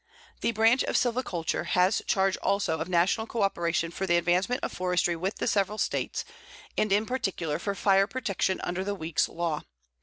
The Branch of Silviculture has charge also of National coöperation for the advancement of forestry with the several States, and in particular for fire protection under the Weeks law.